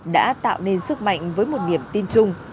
đã tạo nên sức mạnh với một niềm tin chung